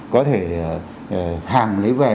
có thể hàng lấy về